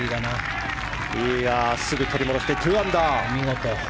すぐ取り戻して２アンダー。